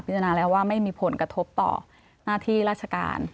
จนาแล้วว่าไม่มีผลกระทบต่อหน้าที่ราชการ